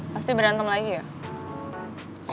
pasti berantem lagi ya